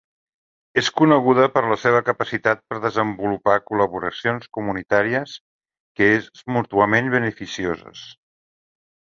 És coneguda per la seva capacitat per desenvolupar col·laboracions comunitàries que es mútuament beneficioses.